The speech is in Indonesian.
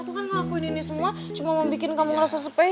aku kan ngakuin ini semua cuma mau bikin kamu ngerasa spesial sama aku